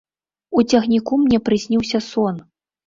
У цягніку мне прысніўся сон.